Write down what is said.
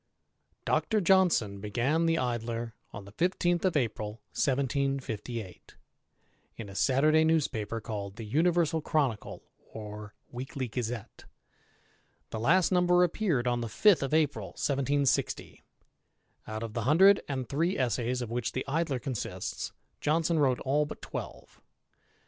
M [Dr. Johnson began the Idler on the 15th of April 1758, in a "Saturday newspaper called the Universal Chronicle^ or Weekly Gazette; ^ last number appeared on the 5th of April 1760. Out of the hun *^ and three essays of which the Idler consists, Johnson wrote all ^* twelve.